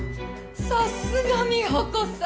さすが美保子さん。